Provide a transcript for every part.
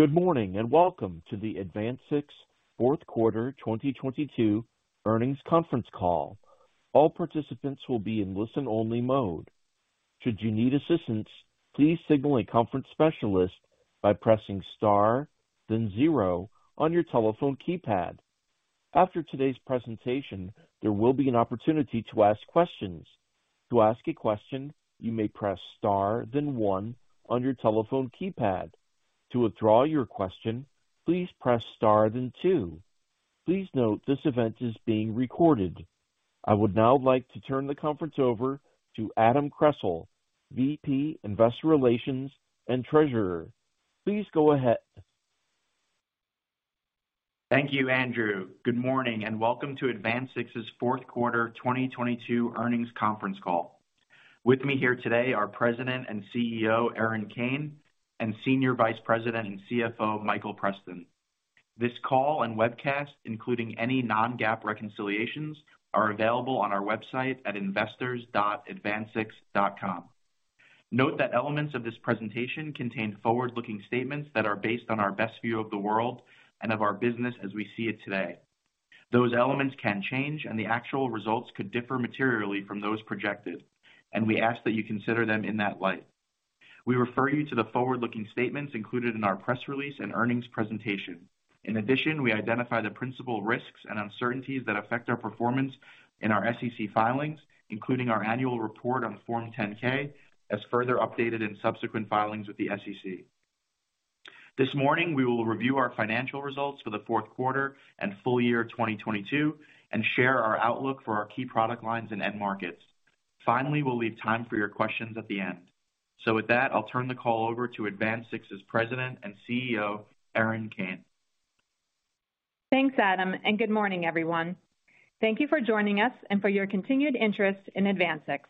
Good morning, welcome to the AdvanSix fourth quarter 2022 earnings conference call. All participants will be in listen-only mode. Should you need assistance, please signal a conference specialist by pressing Star, then zero on your telephone keypad. After today's presentation, there will be an opportunity to ask questions. To ask a question, you may press Star then one on your telephone keypad. To withdraw your question, please press Star, then two. Please note this event is being recorded. I would now like to turn the conference over to Adam Kressel, VP, Investor Relations and Treasurer. Please go ahead. Thank you, Andrew. Good morning and welcome to AdvanSix's fourth quarter 2022 earnings conference call. With me here today are President and CEO, Erin Kane, and Senior Vice President and CFO, Michael Preston. This call and webcast, including any non-GAAP reconciliations, are available on our website at investors.advansix.com. Note that elements of this presentation contain forward-looking statements that are based on our best view of the world and of our business as we see it today. Those elements can change, and the actual results could differ materially from those projected, and we ask that you consider them in that light. We refer you to the forward-looking statements included in our press release and earnings presentation. In addition, we identify the principal risks and uncertainties that affect our performance in our SEC filings, including our annual report on Form 10-K, as further updated in subsequent filings with the SEC. This morning, we will review our financial results for the fourth quarter and full year of 2022 and share our outlook for our key product lines and end markets. Finally, we'll leave time for your questions at the end. With that, I'll turn the call over to AdvanSix's President and CEO, Erin Kane. Thanks, Adam. Good morning, everyone. Thank you for joining us and for your continued interest in AdvanSix.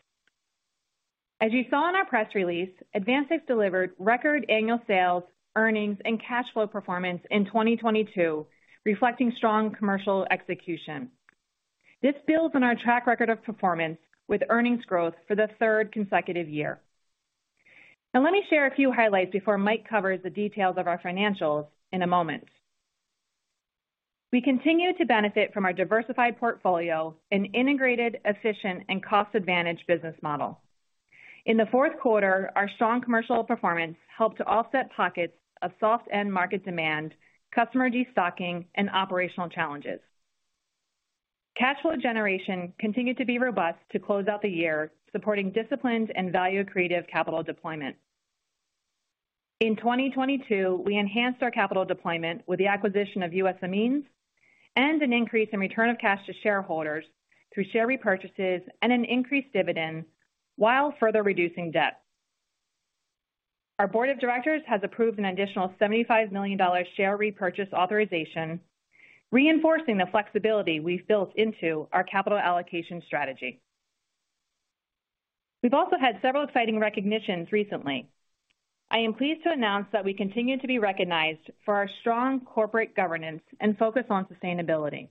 As you saw in our press release, AdvanSix delivered record annual sales, earnings, and cash flow performance in 2022, reflecting strong commercial execution. This builds on our track record of performance with earnings growth for the third consecutive year. Now let me share a few highlights before Mike covers the details of our financials in a moment. We continue to benefit from our diversified portfolio and integrated, efficient, and cost-advantaged business model. In the fourth quarter, our strong commercial performance helped to offset pockets of soft end market demand, customer destocking, and operational challenges. Cash flow generation continued to be robust to close out the year, supporting disciplined and value-creative capital deployment. In 2022, we enhanced our capital deployment with the acquisition of U.S. Amines and an increase in return of cash to shareholders through share repurchases and an increased dividend while further reducing debt. Our board of directors has approved an additional $75 million share repurchase authorization, reinforcing the flexibility we've built into our capital allocation strategy. We've also had several exciting recognitions recently. I am pleased to announce that we continue to be recognized for our strong corporate governance and focus on sustainability.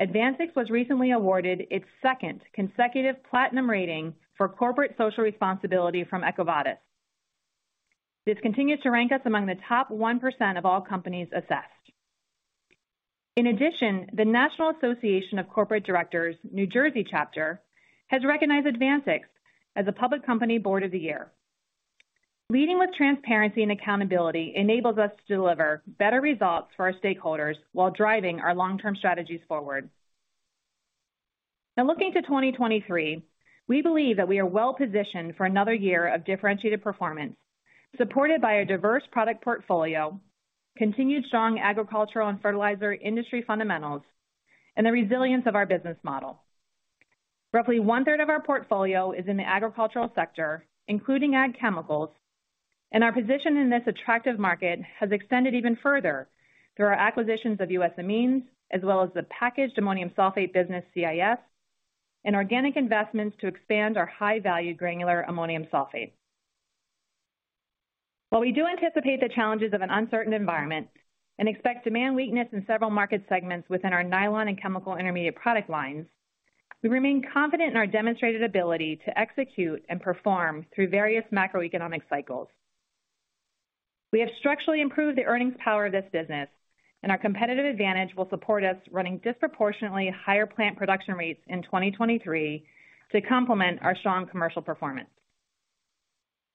AdvanSix was recently awarded its second consecutive platinum rating for corporate social responsibility from EcoVadis. This continues to rank us among the top 1% of all companies assessed. The National Association of Corporate Directors, New Jersey Chapter, has recognized AdvanSix as a public company board of the year. Leading with transparency and accountability enables us to deliver better results for our stakeholders while driving our long-term strategies forward. Looking to 2023, we believe that we are well-positioned for another year of differentiated performance, supported by a diverse product portfolio, continued strong agricultural and fertilizer industry fundamentals, and the resilience of our business model. Roughly one-third of our portfolio is in the agricultural sector, including ag chemicals, and our position in this attractive market has extended even further through our acquisitions of U.S. Amines, as well as the packaged ammonium sulfate business, CIF, and organic investments to expand our high-value granular ammonium sulfate. While we do anticipate the challenges of an uncertain environment and expect demand weakness in several market segments within our nylon and chemical intermediate product lines, we remain confident in our demonstrated ability to execute and perform through various macroeconomic cycles. We have structurally improved the earnings power of this business, and our competitive advantage will support us running disproportionately higher plant production rates in 2023 to complement our strong commercial performance.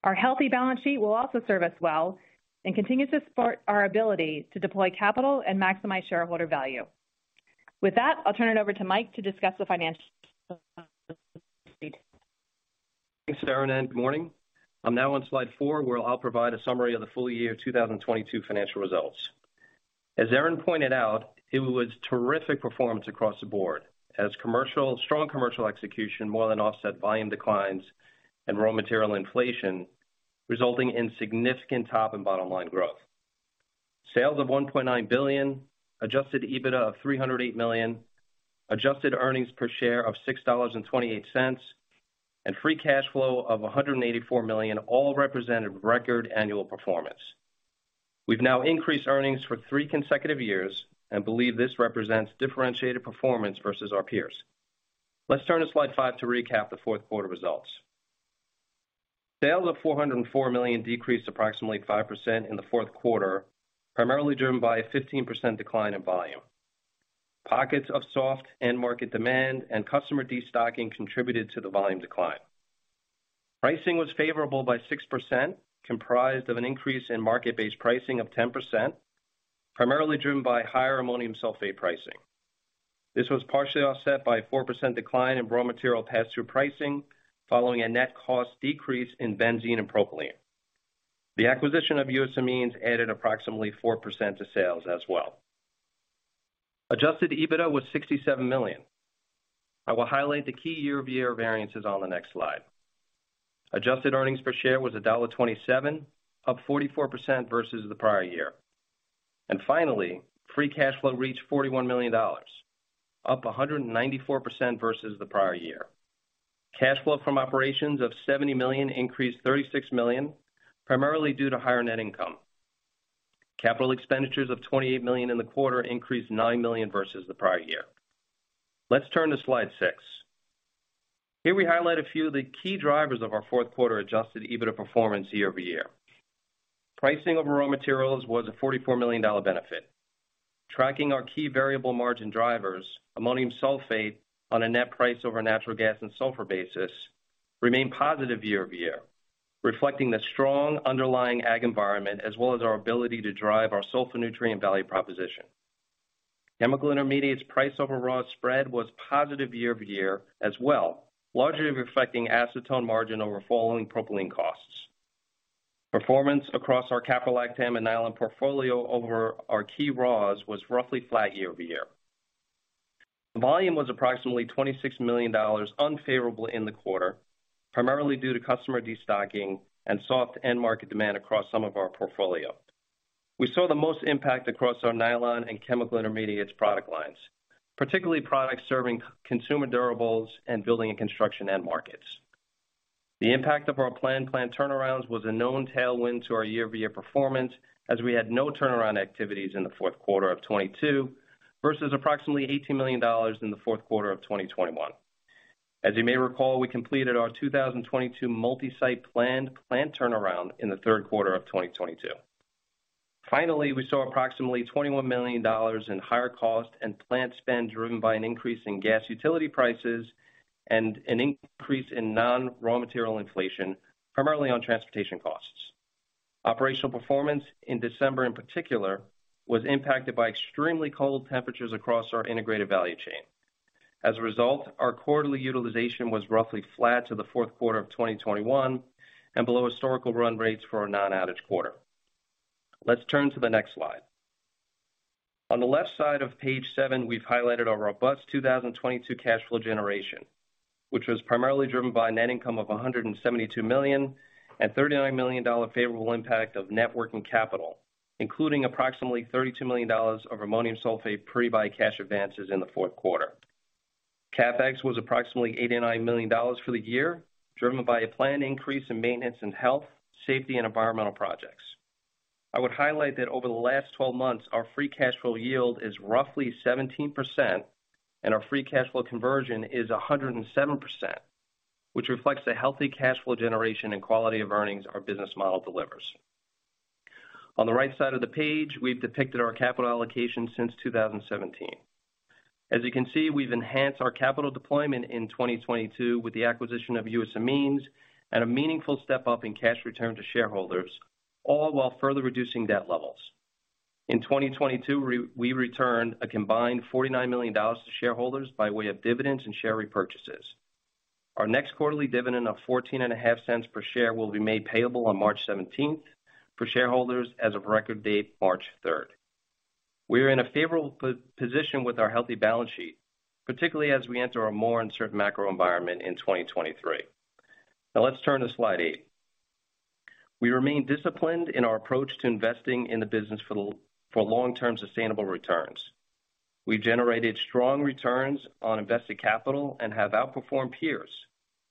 Our healthy balance sheet will also serve us well and continue to support our ability to deploy capital and maximize shareholder value. With that, I'll turn it over to Mike to discuss the financial. Thanks, Erin. Good morning. I'm now on slide four, where I'll provide a summary of the full year 2022 financial results. As Erin pointed out, it was terrific performance across the board as strong commercial execution more than offset volume declines and raw material inflation, resulting in significant top and bottom line growth. Sales of $1.9 billion, adjusted EBITDA of $308 million, adjusted earnings per share of $6.28, and free cash flow of $184 million all represented record annual performance. We've now increased earnings for three consecutive years and believe this represents differentiated performance versus our peers. Let's turn to slide five to recap the fourth quarter results. Sales of $404 million decreased approximately 5% in the fourth quarter, primarily driven by a 15% decline in volume. Pockets of soft end market demand and customer destocking contributed to the volume decline. Pricing was favorable by 6%, comprised of an increase in market-based pricing of 10%, primarily driven by higher ammonium sulfate pricing. This was partially offset by 4% decline in raw material pass-through pricing following a net cost decrease in benzene and propylene. The acquisition of U.S. Amines added approximately 4% to sales as well. Adjusted EBITDA was $67 million. I will highlight the key year-over-year variances on the next slide. Adjusted earnings per share was $1.27, up 44% versus the prior year. Finally, free cash flow reached $41 million, up 194% versus the prior year. Cash flow from operations of $70 million increased $36 million, primarily due to higher net income. Capital expenditures of $28 million in the quarter increased $9 million versus the prior year. Let's turn to slide six. Here we highlight a few of the key drivers of our fourth quarter adjusted EBITDA performance year-over-year. Pricing of raw materials was a $44 million benefit. Tracking our key variable margin drivers, ammonium sulfate on a net price over natural gas and sulfur basis remained positive year-over-year, reflecting the strong underlying ag environment, as well as our ability to drive our sulfur nutrient value proposition. Chemical intermediates price over raw spread was positive year-over-year as well, largely reflecting acetone margin over falling propylene costs. Performance across our caprolactam and nylon portfolio over our key raws was roughly flat year-over-year. The volume was approximately $26 million unfavorable in the quarter, primarily due to customer destocking and soft end market demand across some of our portfolio. We saw the most impact across our Nylon and Chemical Intermediates product lines, particularly products serving consumer durables and building and construction end markets. The impact of our planned plant turnarounds was a known tailwind to our year-over-year performance, as we had no turnaround activities in the fourth quarter of 2022 versus approximately $18 million in the fourth quarter of 2021. You may recall, we completed our 2022 multi-site planned plant turnaround in the third quarter of 2022. We saw approximately $21 million in higher cost and plant spend driven by an increase in gas utility prices and an increase in non-raw material inflation, primarily on transportation costs. Operational performance in December, in particular, was impacted by extremely cold temperatures across our integrated value chain. As a result, our quarterly utilization was roughly flat to the fourth quarter of 2021 and below historical run rates for a non-outage quarter. Let's turn to the next slide. On the left side of page seven, we've highlighted our robust 2022 cash flow generation, which was primarily driven by a net income of $172 million and $39 million favorable impact of net working capital, including approximately $32 million of ammonium sulfate pre-buy cash advances in the fourth quarter. CapEx was approximately $89 million for the year, driven by a planned increase in maintenance and health, safety and environmental projects. I would highlight that over the last 12 months, our free cash flow yield is roughly 17% and our free cash flow conversion is 107%, which reflects the healthy cash flow generation and quality of earnings our business model delivers. On the right side of the page, we've depicted our capital allocation since 2017. As you can see, we've enhanced our capital deployment in 2022 with the acquisition of U.S. Amines and a meaningful step-up in cash return to shareholders, all while further reducing debt levels. In 2022, we returned a combined $49 million to shareholders by way of dividends and share repurchases. Our next quarterly dividend of $0.145 per share will be made payable on March 17th for shareholders as of record date March 3rd. We are in a favorable position with our healthy balance sheet, particularly as we enter a more uncertain macro environment in 2023. Let's turn to slide eight. We remain disciplined in our approach to investing in the business for long-term sustainable returns. We generated strong returns on invested capital and have outperformed peers,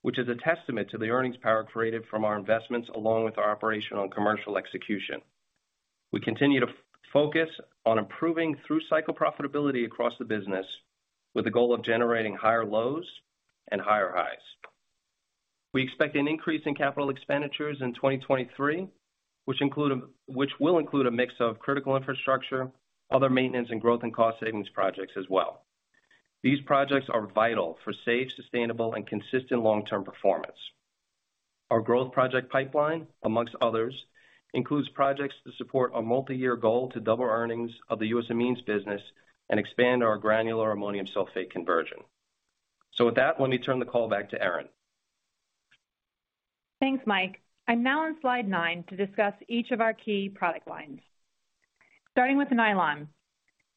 which is a testament to the earnings power created from our investments along with our operational and commercial execution. We continue to focus on improving through-cycle profitability across the business with the goal of generating higher lows and higher highs. We expect an increase in capital expenditures in 2023, which will include a mix of critical infrastructure, other maintenance and growth and cost savings projects as well. These projects are vital for safe, sustainable and consistent long-term performance. Our growth project pipeline, amongst others, includes projects to support our multi-year goal to double earnings of the U.S. Amines business and expand our granular ammonium sulfate conversion. With that, let me turn the call back to Erin. Thanks, Michael Preston. I'm now on slide nine to discuss each of our key product lines. Starting with nylon.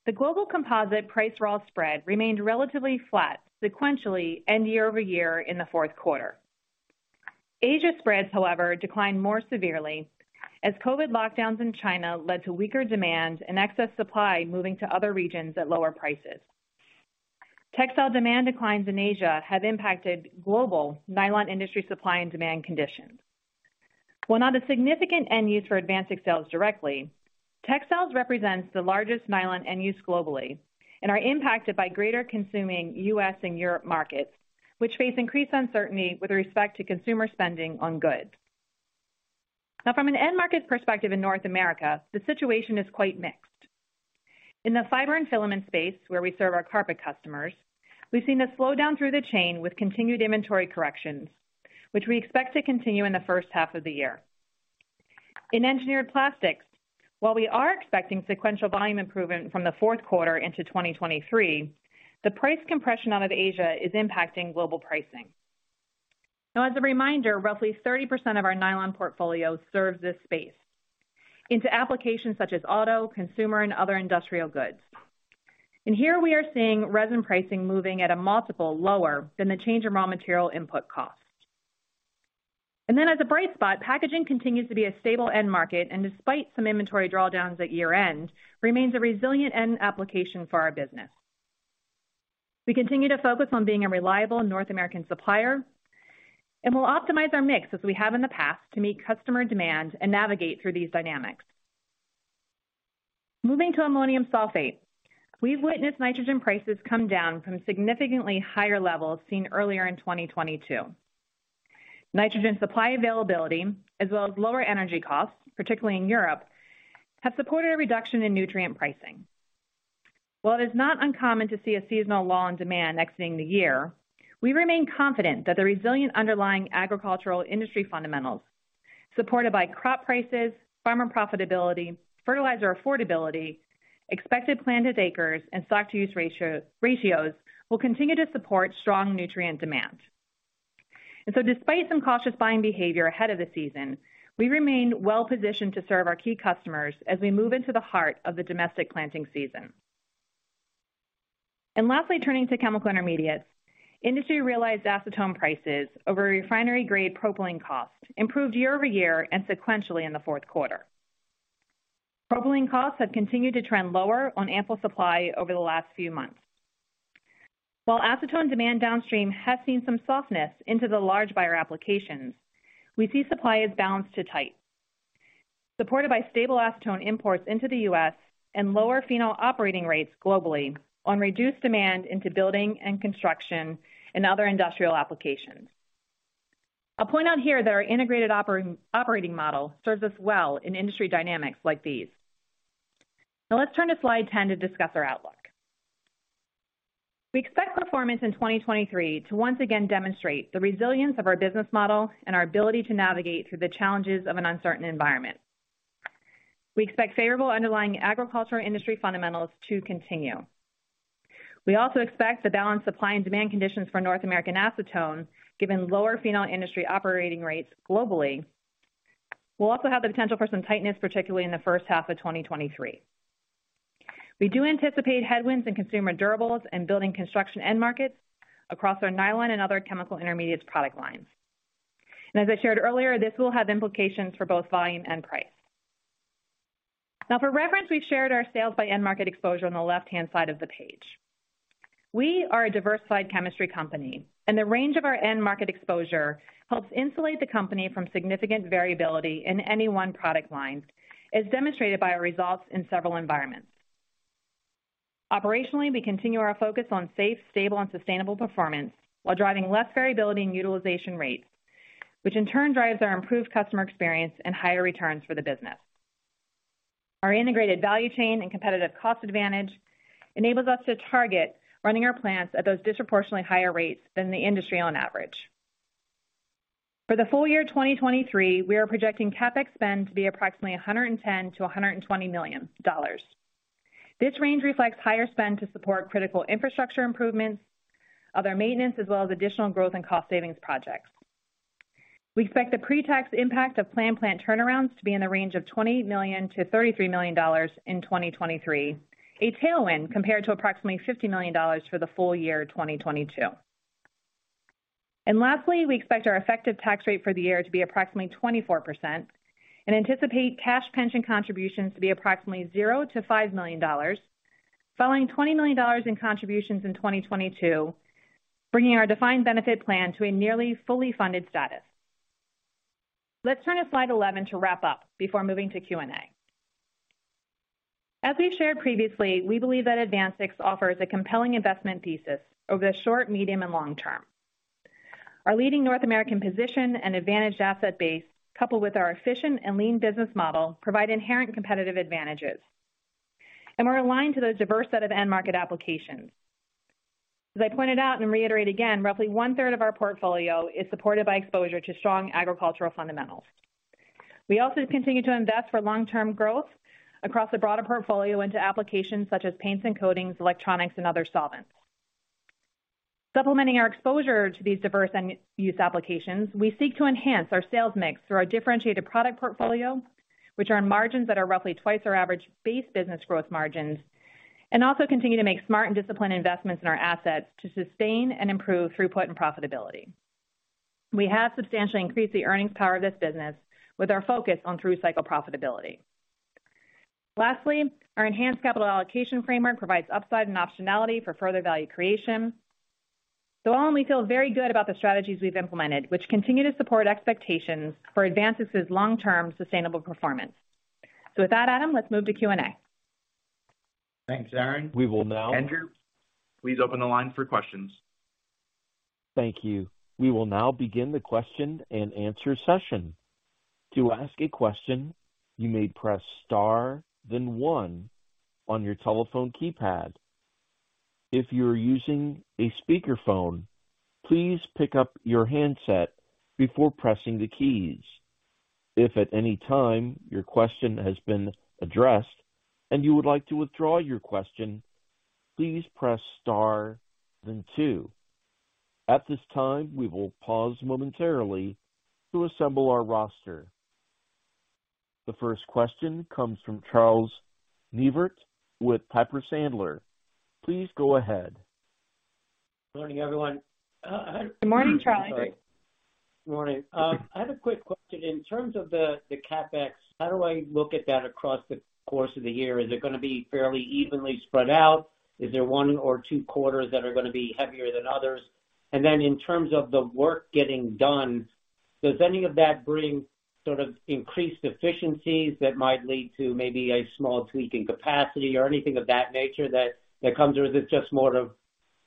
The global composite price raw spread remained relatively flat sequentially and year-over-year in the fourth quarter. Asia spreads, however, declined more severely as COVID lockdowns in China led to weaker demand and excess supply moving to other regions at lower prices. Textile demand declines in Asia have impacted global nylon industry supply and demand conditions. Not a significant end use for AdvanSix directly. Textiles represents the largest nylon end use globally and are impacted by greater consuming U.S. and Europe markets, which face increased uncertainty with respect to consumer spending on goods. From an end market perspective in North America, the situation is quite mixed. In the fiber and filament space, where we serve our carpet customers, we've seen a slowdown through the chain with continued inventory corrections, which we expect to continue in the first half of the year. In engineered plastics, while we are expecting sequential volume improvement from the fourth quarter into 2023, the price compression out of Asia is impacting global pricing. As a reminder, roughly 30% of our nylon portfolio serves this space into applications such as auto, consumer and other industrial goods. Here we are seeing resin pricing moving at a multiple lower than the change in raw material input cost. As a bright spot, packaging continues to be a stable end market and despite some inventory drawdowns at year-end, remains a resilient end application for our business. We continue to focus on being a reliable North American supplier, and we'll optimize our mix as we have in the past to meet customer demand and navigate through these dynamics. Moving to ammonium sulfate. We've witnessed nitrogen prices come down from significantly higher levels seen earlier in 2022. Nitrogen supply availability, as well as lower energy costs, particularly in Europe, have supported a reduction in nutrient pricing. While it is not uncommon to see a seasonal lull in demand exiting the year, we remain confident that the resilient underlying agricultural industry fundamentals, supported by crop prices, farmer profitability, fertilizer affordability, expected planted acres, and stock-to-use ratios will continue to support strong nutrient demand. Despite some cautious buying behavior ahead of the season, we remain well positioned to serve our key customers as we move into the heart of the domestic planting season. Lastly, turning to chemical intermediates. Industry realized acetone prices over refinery-grade propylene costs improved year-over-year and sequentially in the fourth quarter. Propylene costs have continued to trend lower on ample supply over the last few months. While acetone demand downstream has seen some softness into the large buyer applications, we see supply as balanced to tight, supported by stable acetone imports into the U.S. and lower phenol operating rates globally on reduced demand into building and construction and other industrial applications. I'll point out here that our integrated operating model serves us well in industry dynamics like these. Now let's turn to slide 10 to discuss our outlook. We expect performance in 2023 to once again demonstrate the resilience of our business model and our ability to navigate through the challenges of an uncertain environment. We expect favorable underlying agricultural industry fundamentals to continue. We also expect the balanced supply and demand conditions for North American acetone, given lower phenol industry operating rates globally. We'll also have the potential for some tightness, particularly in the first half of 2023. We do anticipate headwinds in consumer durables and building construction end markets across our nylon and other chemical intermediates product lines. As I shared earlier, this will have implications for both volume and price. For reference, we've shared our sales by end market exposure on the left-hand side of the page. We are a diversified chemistry company, and the range of our end market exposure helps insulate the company from significant variability in any one product line, as demonstrated by our results in several environments. Operationally, we continue our focus on safe, stable, and sustainable performance while driving less variability in utilization rates, which in turn drives our improved customer experience and higher returns for the business. Our integrated value chain and competitive cost advantage enables us to target running our plants at those disproportionately higher rates than the industry on average. For the full year 2023, we are projecting CapEx spend to be approximately $110 million-$120 million. This range reflects higher spend to support critical infrastructure improvements, other maintenance, as well as additional growth and cost savings projects. We expect the pre-tax impact of plant turnarounds to be in the range of $20 million-$33 million in 2023, a tailwind compared to approximately $50 million for the full year 2022. Lastly, we expect our effective tax rate for the year to be approximately 24% and anticipate cash pension contributions to be approximately $0 million-$5 million, following $20 million in contributions in 2022, bringing our defined benefit plan to a nearly fully funded status. Let's turn to slide 11 to wrap up before moving to Q&A. As we've shared previously, we believe that AdvanSix offers a compelling investment thesis over the short, medium, and long term. Our leading North American position and advantaged asset base, coupled with our efficient and lean business model, provide inherent competitive advantages, and we're aligned to those diverse set of end market applications. As I pointed out and reiterate again, roughly one-third of our portfolio is supported by exposure to strong agricultural fundamentals. We also continue to invest for long-term growth across a broader portfolio into applications such as paints and coatings, electronics, and other solvents. Supplementing our exposure to these diverse end use applications, we seek to enhance our sales mix through our differentiated product portfolio, which are in margins that are roughly twice our average base business growth margins, and also continue to make smart and disciplined investments in our assets to sustain and improve throughput and profitability. We have substantially increased the earnings power of this business with our focus on through-cycle profitability. Lastly, our enhanced capital allocation framework provides upside and optionality for further value creation. All in, we feel very good about the strategies we've implemented, which continue to support expectations for AdvanSix's long-term sustainable performance. With that, Adam, let's move to Q&A. Thanks, Erin. We will now. Andrew, please open the line for questions. Thank you. We will now begin the question and answer session. To ask a question, you may press star then one on your telephone keypad. If you're using a speakerphone, please pick up your handset before pressing the keys. If at any time your question has been addressed and you would like to withdraw your question, please press star then two. At this time, we will pause momentarily to assemble our roster. The first question comes from Charles Neivert with Piper Sandler. Please go ahead. Morning, everyone. Good morning, Charlie. Sorry. Morning. I have a quick question. In terms of the CapEx, how do I look at that across the course of the year? Is it gonna be fairly evenly spread out? Is there one or two quarters that are gonna be heavier than others? In terms of the work getting done, does any of that bring sort of increased efficiencies that might lead to maybe a small tweak in capacity or anything of that nature that comes or is it just more of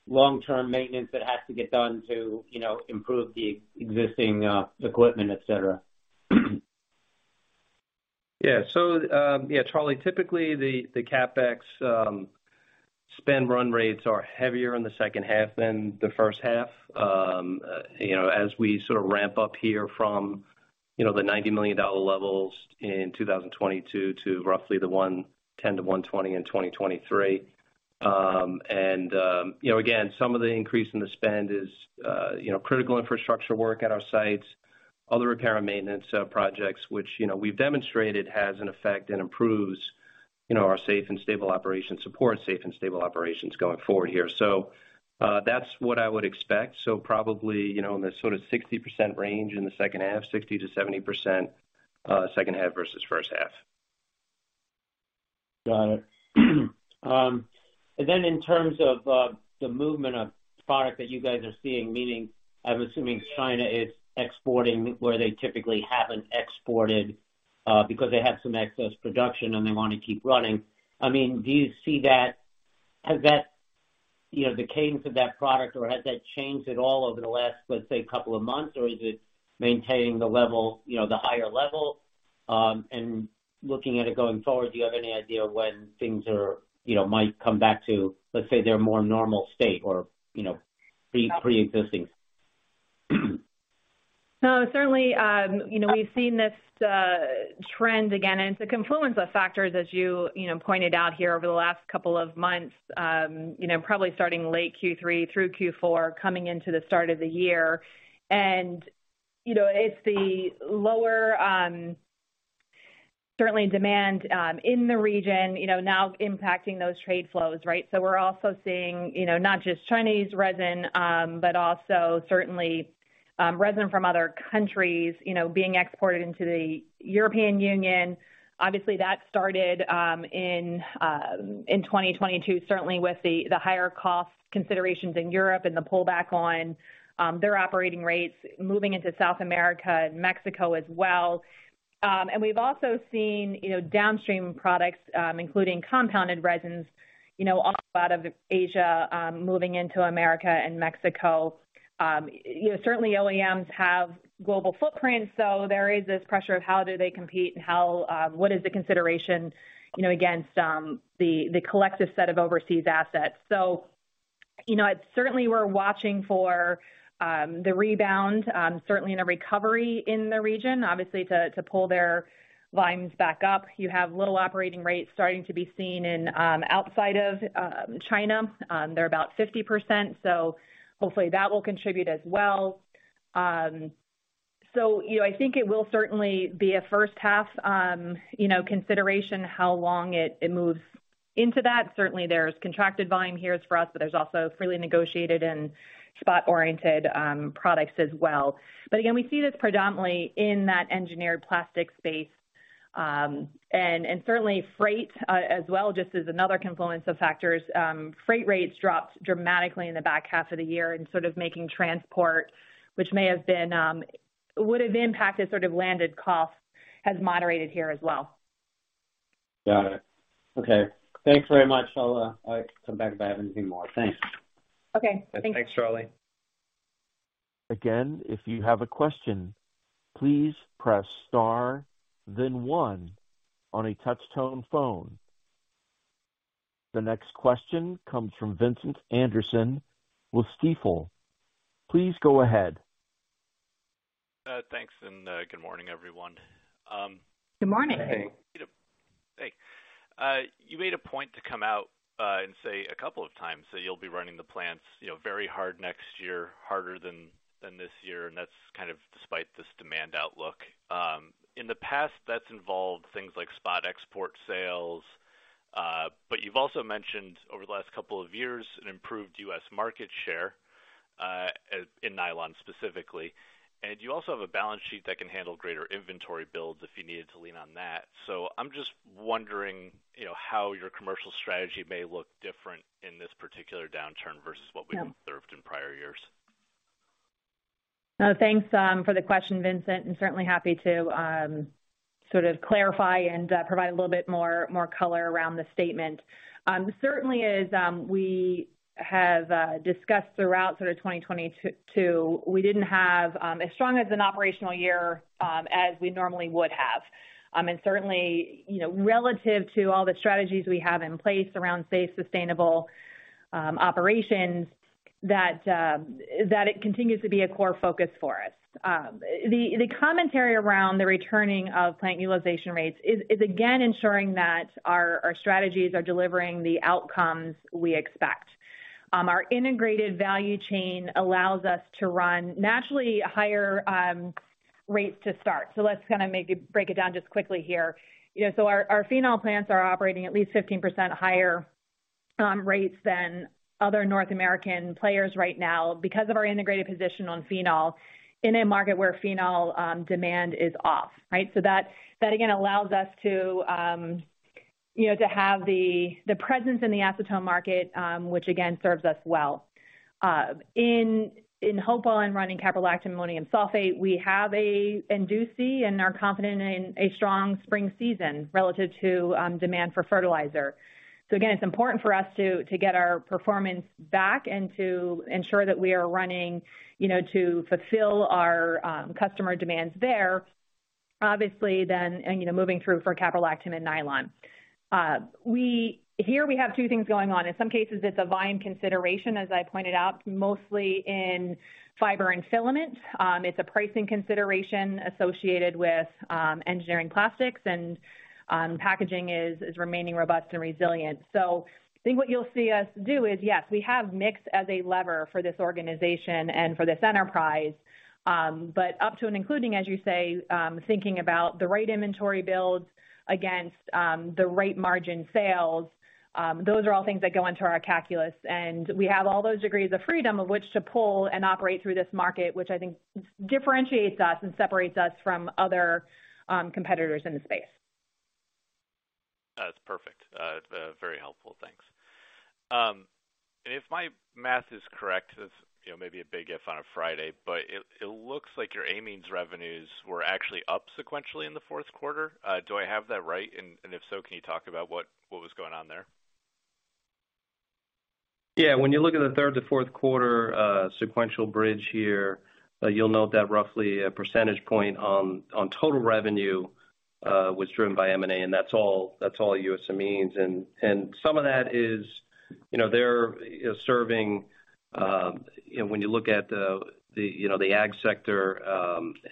long-term maintenance that has to get done to, you know, improve the existing equipment, et cetera? Yeah. Yeah, Charlie, typically the CapEx spend run rates are heavier in the second half than the first half. You know, as we sort of ramp up here from, you know, the $90 million levels in 2022 to roughly the $110-$120 in 2023. You know, again, some of the increase in the spend is, you know, critical infrastructure work at our sites, other repair and maintenance projects, which, you know, we've demonstrated has an effect and improves, you know, our safe and stable operations support, safe and stable operations going forward here. That's what I would expect. Probably, you know, in the sort of 60% range in the second half, 60%-70% second half versus first half. Got it. Then in terms of the movement of product that you guys are seeing, meaning I'm assuming China is exporting where they typically haven't exported because they have some excess production and they wanna keep running. I mean, do you see that has that, you know, the cadence of that product or has that changed at all over the last, let's say, couple of months? Or is it maintaining the level, you know, the higher level? Looking at it going forward, do you have any idea when things are, you know, might come back to, let's say, their more normal state or, you know, preexisting? No, certainly, you know, we've seen this trend again. It's a confluence of factors as you know, pointed out here over the last couple of months, you know, probably starting late Q3 through Q4, coming into the start of the year. You know, it's the lower, certainly demand in the region, you know, now impacting those trade flows, right? We're also seeing, you know, not just Chinese resin, but also certainly resin from other countries, you know, being exported into the European Union. Obviously, that started in 2022, certainly with the higher cost considerations in Europe and the pullback on their operating rates moving into South America and Mexico as well. We've also seen, you know, downstream products, including compounded resins, you know, also out of Asia, moving into America and Mexico. You know, certainly OEMs have global footprint, so there is this pressure of how do they compete and how, what is the consideration, you know, against the collective set of overseas assets. You know, it's certainly we're watching for the rebound, certainly in a recovery in the region, obviously to pull their volumes back up. You have little operating rates starting to be seen in outside of China. They're about 50%, so hopefully that will contribute as well. You know, I think it will certainly be a first half, you know, consideration how long it moves into that. Certainly there's contracted volume here as for us, but there's also freely negotiated and spot-oriented products as well. Again, we see this predominantly in that engineered plastic space. And certainly freight as well, just as another confluence of factors. Freight rates dropped dramatically in the back half of the year and sort of making transport, which may have been would've impacted sort of landed costs, has moderated here as well. Got it. Okay. Thanks very much. I'll come back if I have anything more. Thanks. Okay. Thanks. Thanks, Charlie. Again, if you have a question, please press star then one on a touch tone phone. The next question comes from Vincent Anderson with Stifel. Please go ahead. Thanks. Good morning everyone. Good morning. Hey. You made a point to come out and say a couple of times that you'll be running the plants, you know, very hard next year, harder than this year, and that's kind of despite this demand outlook. In the past that's involved things like spot export sales. You've also mentioned over the last couple of years an improved U.S. market share in nylon specifically. You also have a balance sheet that can handle greater inventory builds if you needed to lean on that. I'm just wondering, you know, how your commercial strategy may look different in this particular downturn versus what we observed in prior years. Thanks for the question, Vincent, and certainly happy to sort of clarify and provide a little bit more color around the statement. Certainly is, we have discussed throughout sort of 2022, we didn't have as strong as an operational year as we normally would have. And certainly, you know, relative to all the strategies we have in place around safe, sustainable operations, that it continues to be a core focus for us. The commentary around the returning of plant utilization rates is again ensuring that our strategies are delivering the outcomes we expect. Our integrated value chain allows us to run naturally higher rates to start. Let's kind of break it down just quickly here. You know, our phenol plants are operating at least 15% higher rates than other North American players right now because of our integrated position on phenol in a market where phenol demand is off, right? That again allows us to, you know, to have the presence in the acetone market, which again serves us well. In Hopewell and running caprolactam ammonium sulfate, we do see and are confident in a strong spring season relative to demand for fertilizer. Again, it's important for us to get our performance back and to ensure that we are running, you know, to fulfill our customer demands there. Obviously, you know, moving through for caprolactam and nylon. Here we have two things going on. In some cases, it's a volume consideration, as I pointed out, mostly in fiber and filament. It's a pricing consideration associated with engineering plastics and packaging is remaining robust and resilient. I think what you'll see us do is, yes, we have mix as a lever for this organization and for this enterprise. Up to and including, as you say, thinking about the right inventory builds against the right margin sales, those are all things that go into our calculus, and we have all those degrees of freedom of which to pull and operate through this market, which I think differentiates us and separates us from other competitors in the space. That's perfect. Very helpful. Thanks. If my math is correct, this, you know, may be a big if on a Friday, but it looks like your amines revenues were actually up sequentially in the fourth quarter. Do I have that right? If so, can you talk about what was going on there? When you look at the third to fourth quarter sequential bridge here, you'll note that roughly one percentage point on total revenue was driven by M&A, and that's all U.S. Amines. Some of that is, you know, they're serving, you know, when you look at the ag sector,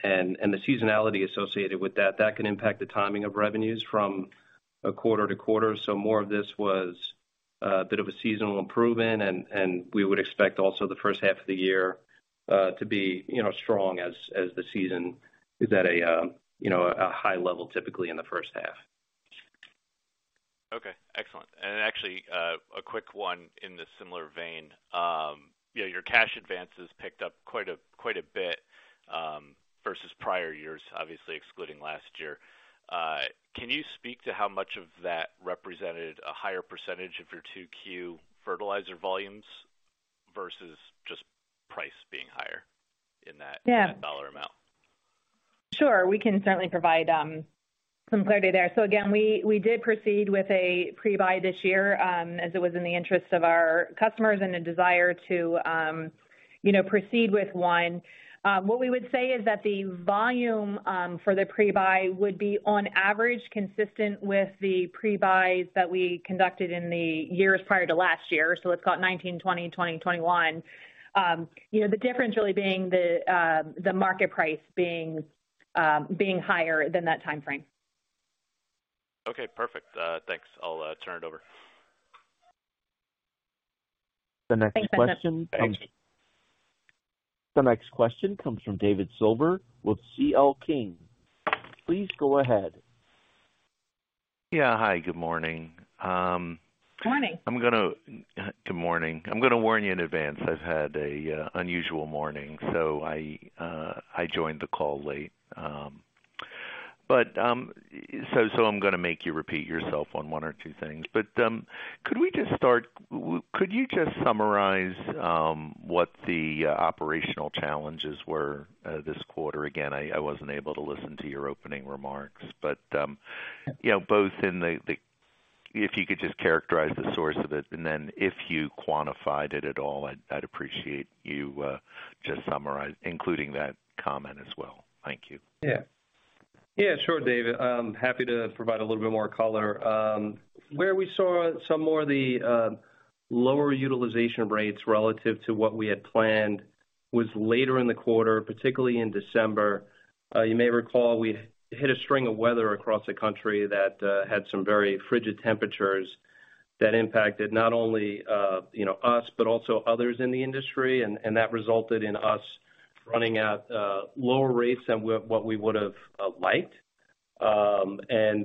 and the seasonality associated with that can impact the timing of revenues from a quarter-to-quarter. More of this was a bit of a seasonal improvement, and we would expect also the 1st half of the year to be, you know, strong as the season is at a, you know, a high level typically in the 1st half. Okay, excellent. Actually, a quick one in the similar vein. You know, your cash advances picked up quite a bit, versus prior years, obviously excluding last year. Can you speak to how much of that represented a higher percentage of your Q2 fertilizer volumes versus just price being higher in that... Yeah. dollar amount? Sure. We can certainly provide some clarity there. Again, we did proceed with a pre-buy this year, as it was in the interest of our customers and a desire to, you know, proceed with one. What we would say is that the volume for the pre-buy would be on average, consistent with the pre-buys that we conducted in the years prior to last year. Let's call it 2019, 2020, 2021. You know, the difference really being the market price being higher than that timeframe. Okay, perfect. thanks. I'll, turn it over. Thanks, Vincent. Thanks. The next question comes from David Silver with C.L. King. Please go ahead. Yeah. Hi, good morning. Good morning. Good morning. I'm gonna warn you in advance. I've had an unusual morning, so I joined the call late. So I'm gonna make you repeat yourself on one or two things. Could we just start? Could you just summarize what the operational challenges were this quarter? Again, I wasn't able to listen to your opening remarks, but, you know, both in the. If you could just characterize the source of it, and then if you quantified it at all, I'd appreciate you just summarize, including that comment as well. Thank you. Yeah, sure, David. I'm happy to provide a little bit more color. Where we saw some more of the lower utilization rates relative to what we had planned was later in the quarter, particularly in December. You may recall we hit a string of weather across the country that had some very frigid temperatures... That impacted not only, you know, us, but also others in the industry, and that resulted in us running at lower rates than what we would've liked. That,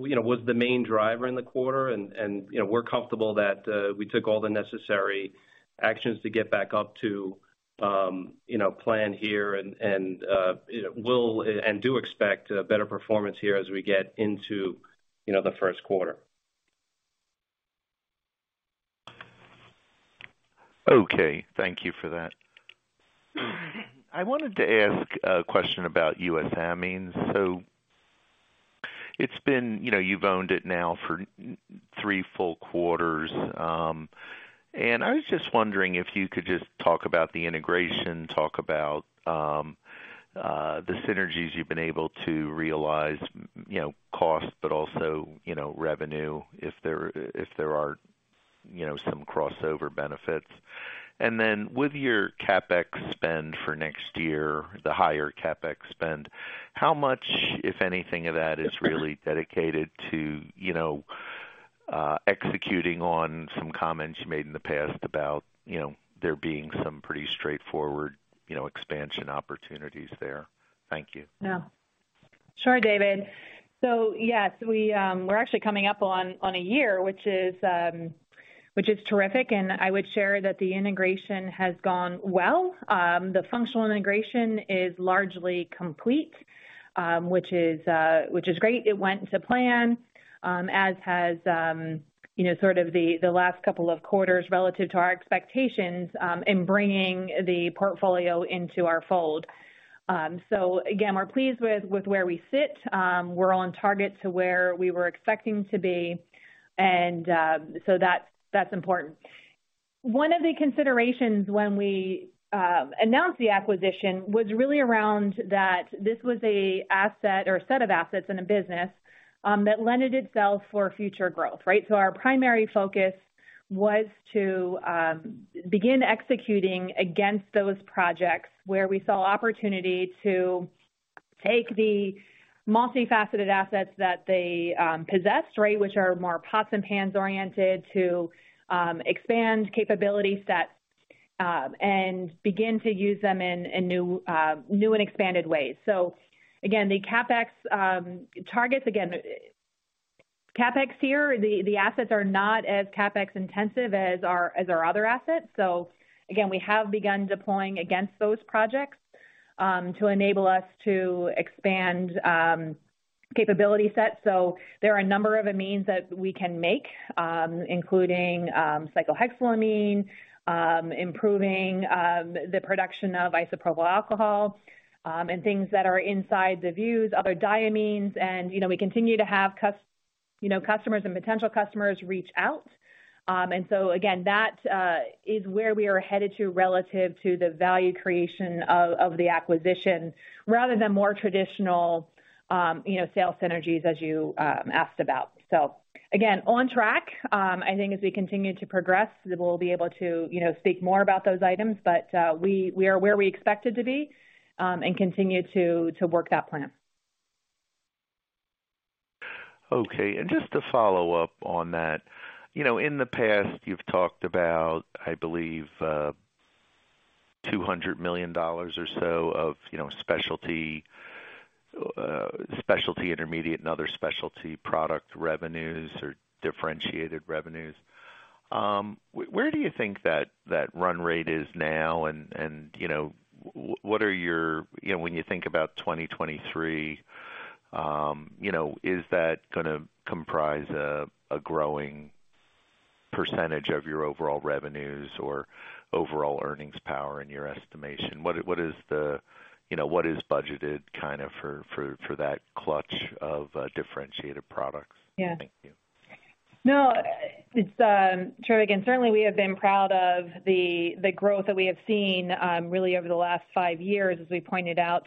you know, was the main driver in the quarter and, you know, we're comfortable that we took all the necessary actions to get back up to, you know, plan here and it will and do expect better performance here as we get into, you know, the first quarter. Okay. Thank you for that. I wanted to ask a question about U.S. Amines. It's been, you know, you've owned it now for three full quarters. I was just wondering if you could just talk about the integration, talk about the synergies you've been able to realize, you know, cost, but also, you know, revenue, if there are, you know, some crossover benefits. With your CapEx spend for next year, the higher CapEx spend, how much, if anything, of that is really dedicated to, you know, executing on some comments you made in the past about, you know, there being some pretty straightforward, you know, expansion opportunities there? Thank you. Yeah. Sure, David. Yes, we're actually coming up on a year, which is terrific, and I would share that the integration has gone well. The functional integration is largely complete, which is great. It went to plan, as has, you know, sort of the last couple of quarters relative to our expectations in bringing the portfolio into our fold. Again, we're pleased with where we sit. We're on target to where we were expecting to be. That's important. One of the considerations when we announced the acquisition was really around that this was a asset or a set of assets in a business that lended itself for future growth, right? Our primary focus was to begin executing against those projects where we saw opportunity to take the multifaceted assets that they possessed, right, which are more pots and pans oriented to expand capability sets and begin to use them in new and expanded ways. Again, the CapEx targets here, the assets are not as CapEx-intensive as our other assets. Again, we have begun deploying against those projects to enable us to expand capability sets. There are a number of amines that we can make, including cyclohexylamine, improving the production of isopropyl alcohol, and things that are inside the views, other diamines. You know, we continue to have you know, customers and potential customers reach out. Again, that is where we are headed to relative to the value creation of the acquisition rather than more traditional, you know, sales synergies as you asked about. Again, on track, I think as we continue to progress, then we'll be able to, you know, speak more about those items. We are where we expected to be and continue to work that plan. Okay. Just to follow up on that, you know, in the past you've talked about, I believe, $200 million or so of, you know, specialty specialty intermediate and other specialty product revenues or differentiated revenues. Where do you think that run rate is now? You know, what are your, you know, when you think about 2023, you know, is that gonna comprise a growing % of your overall revenues or overall earnings power in your estimation? What is the, you know, what is budgeted kind of for that clutch of differentiated products? Yeah. Thank you. No, it's true. Certainly we have been proud of the growth that we have seen really over the last 5 years as we pointed out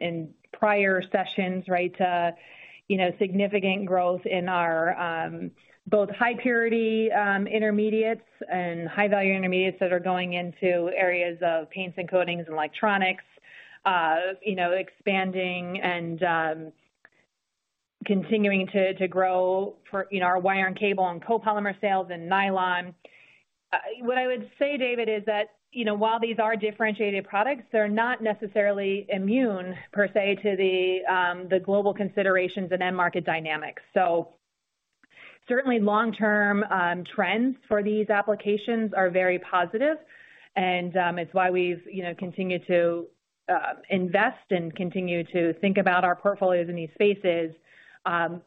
in prior sessions, right to, you know, significant growth in our both high purity intermediates and high value intermediates that are going into areas of paints and coatings and electronics, you know, expanding and continuing to grow for, you know, our wire and cable and copolymer sales and nylon. What I would say, David, is that, you know, while these are differentiated products, they're not necessarily immune per se to the global considerations and end market dynamics. Certainly long-term trends for these applications are very positive. It's why we've, you know, continued to invest and continue to think about our portfolios in these spaces.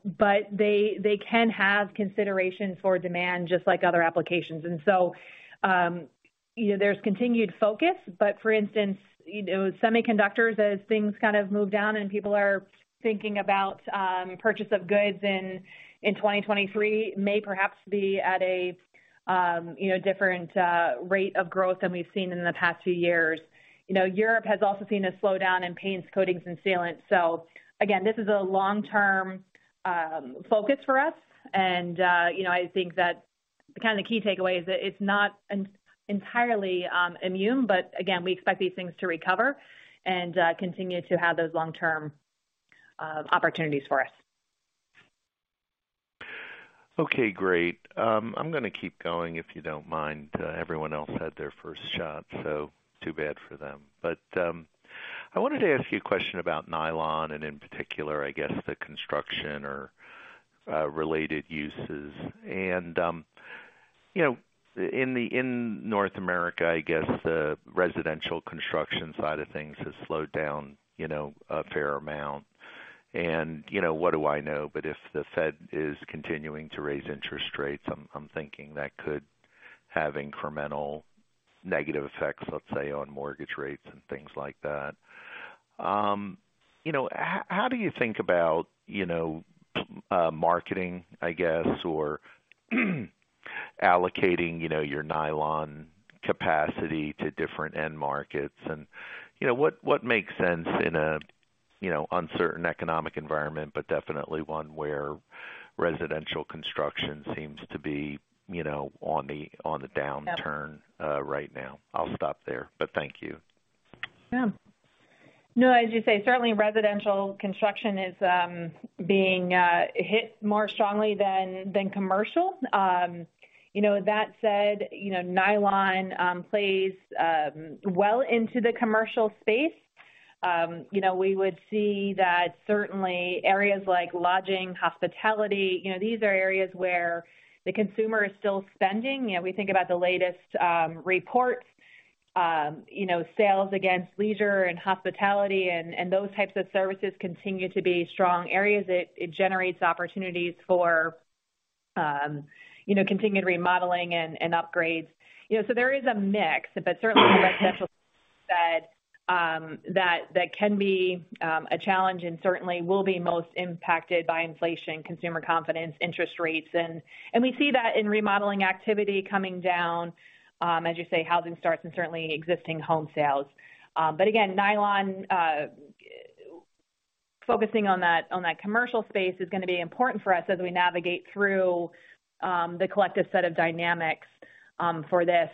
They can have consideration for demand just like other applications. You know, there's continued focus, but for instance, you know, semiconductors as things kind of move down and people are thinking about purchase of goods in 2023 may perhaps be at a, you know, different rate of growth than we've seen in the past few years. You know, Europe has also seen a slowdown in paints, coatings and sealant. Again, this is a long-term focus for us. You know, I think the kind of key takeaway is that it's not entirely immune, but again, we expect these things to recover and continue to have those long-term opportunities for us. Okay, great. I'm gonna keep going, if you don't mind. Everyone else had their first shot, so too bad for them. I wanted to ask you a question about nylon and in particular, I guess, the construction or related uses. You know, in North America, I guess the residential construction side of things has slowed down, you know, a fair amount. You know, what do I know? If the Fed is continuing to raise interest rates, I'm thinking that could have incremental negative effects, let's say, on mortgage rates and things like that. You know, how do you think about, you know, marketing, I guess, or allocating, you know, your nylon capacity to different end markets and, you know, what makes sense in a, you know, uncertain economic environment, but definitely one where residential construction seems to be, you know, on the downturn? Yeah. right now. I'll stop there, but thank you. Yeah. No, as you say, certainly residential construction is being hit more strongly than commercial. You know, that said, you know, nylon plays well into the commercial space. You know, we would see that certainly areas like lodging, hospitality, you know, these are areas where the consumer is still spending. You know, we think about the latest reports, you know, sales against leisure and hospitality and those types of services continue to be strong areas. It generates opportunities for, you know, continued remodeling and upgrades. You know, there is a mix, but certainly residential said that can be a challenge and certainly will be most impacted by inflation, consumer confidence, interest rates. We see that in remodeling activity coming down, as you say, housing starts and certainly existing home sales. Again, nylon, focusing on that, on that commercial space is gonna be important for us as we navigate through the collective set of dynamics for this.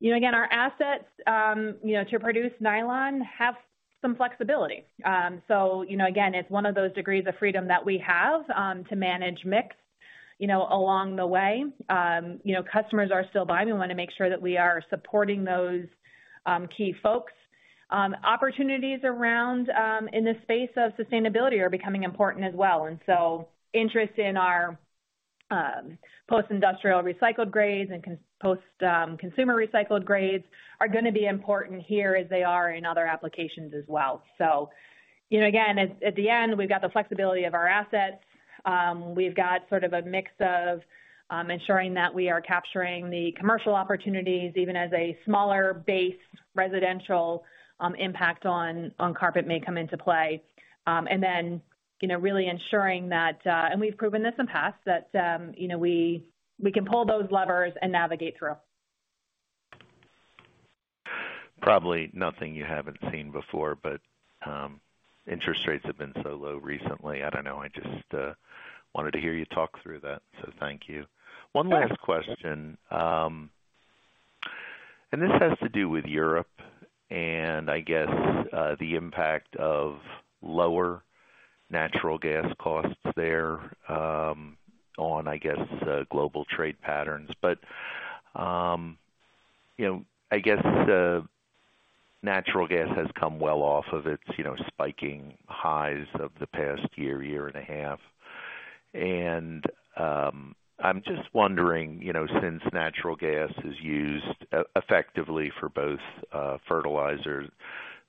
You know, again, our assets, you know, to produce nylon have some flexibility. You know, again, it's one of those degrees of freedom that we have to manage mix, you know, along the way. You know, customers are still buying. We wanna make sure that we are supporting those key folks. Opportunities around in the space of sustainability are becoming important as well. Interest in our post-industrial recycled grades and post, consumer recycled grades are gonna be important here as they are in other applications as well. You know, again, at the end, we've got the flexibility of our assets. We've got sort of a mix of, ensuring that we are capturing the commercial opportunities even as a smaller base residential, impact on carpet may come into play. You know, really ensuring that, and we've proven this in past that, you know, we can pull those levers and navigate through. Probably nothing you haven't seen before, but interest rates have been so low recently. I don't know, I just wanted to hear you talk through that. Thank you. One last question. This has to do with Europe and I guess the impact of lower natural gas costs there on, I guess, the global trade patterns. You know, I guess the natural gas has come well off of its, you know, spiking highs of the past year and a half. I'm just wondering, you know, since natural gas is used effectively for both fertilizers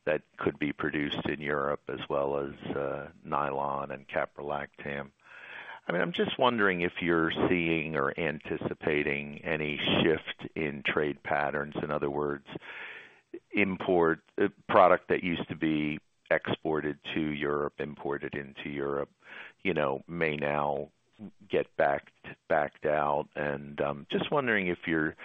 that could be produced in Europe as well as nylon and caprolactam. I mean, I'm just wondering if you're seeing or anticipating any shift in trade patterns. In other words, import product that used to be exported to Europe, imported into Europe, you know, may now get backed out. Just wondering if you're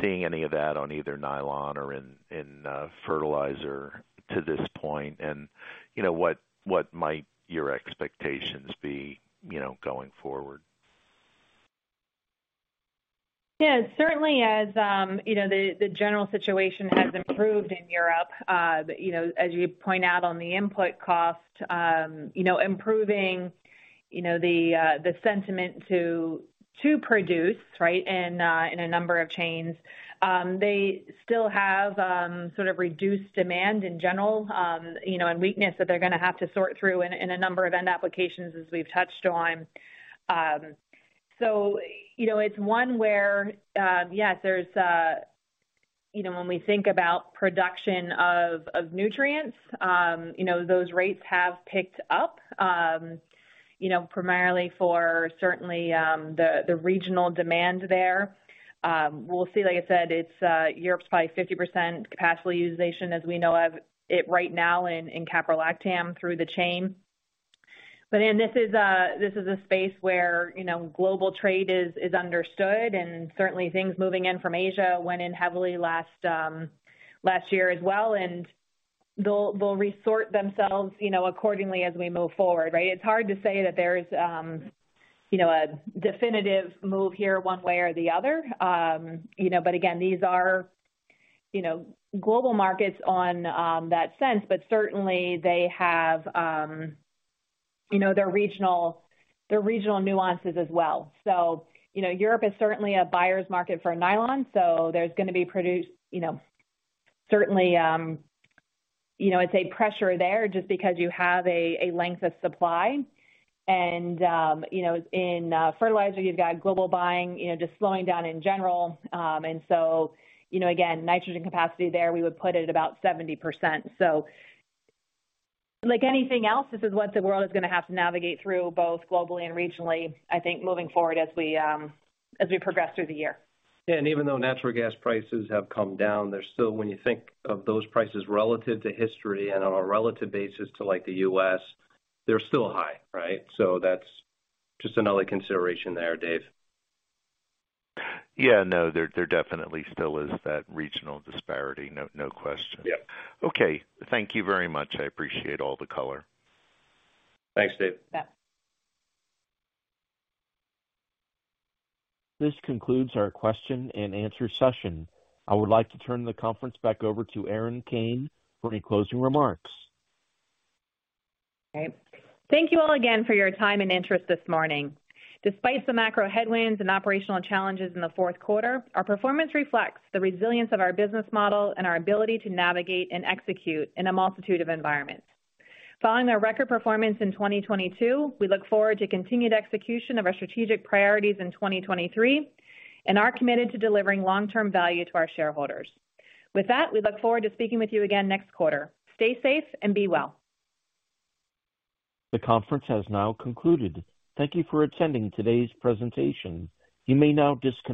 seeing any of that on either nylon or in fertilizer to this point. You know, what might your expectations be, you know, going forward? Certainly as the general situation has improved in Europe, as you point out on the input cost, improving the sentiment to produce, right, in a number of chains. They still have sort of reduced demand in general, and weakness that they're gonna have to sort through in a number of end applications as we've touched on. It's one where, yes, there's when we think about production of nutrients, those rates have picked up, primarily for certainly the regional demand there. We'll see, like I said, it's Europe's probably 50% capacity utilization as we know of it right now in caprolactam through the chain. This is, this is a space where, you know, global trade is understood, and certainly things moving in from Asia went in heavily last year as well. They'll resort themselves, you know, accordingly as we move forward, right? It's hard to say that there's, you know, a definitive move here one way or the other. You know, but again, these are, you know, global markets on that sense. Certainly they have, you know, their regional, their regional nuances as well. You know, Europe is certainly a buyer's market for nylon, so there's gonna be you know, certainly, you know, I'd say pressure there just because you have a length of supply and, you know, in fertilizer, you've got global buying, you know, just slowing down in general. You know, again, nitrogen capacity there, we would put it at about 70%. Like anything else, this is what the world is gonna have to navigate through both globally and regionally, I think moving forward as we, as we progress through the year. Yeah. Even though natural gas prices have come down, there's still, when you think of those prices relative to history and on a relative basis to like the U.S., they're still high, right? That's just another consideration there, Dave. Yeah, no, there definitely still is that regional disparity. No question. Yeah. Okay. Thank you very much. I appreciate all the color. Thanks, Dave. Yeah. This concludes our question and answer session. I would like to turn the conference back over to Erin Kane for any closing remarks. Okay. Thank you all again for your time and interest this morning. Despite some macro headwinds and operational challenges in the fourth quarter, our performance reflects the resilience of our business model and our ability to navigate and execute in a multitude of environments. Following our record performance in 2022, we look forward to continued execution of our strategic priorities in 2023, and are committed to delivering long-term value to our shareholders. With that, we look forward to speaking with you again next quarter. Stay safe and be well. The conference has now concluded. Thank you for attending today's presentation. You may now disconnect.